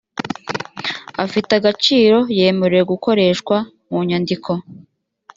afite agaciro yemewe gukoreshwa mu nyandiko